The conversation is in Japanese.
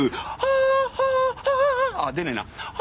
あっ出ねえな。